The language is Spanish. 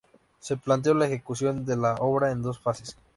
Se planteó la ejecución de la obra en dos fases.